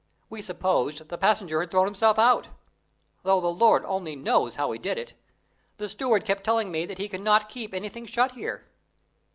We supposed the passenger had thrown himself out, though the Lord only knows how he did it. The steward kept telling me that he cannot keep anything shut here.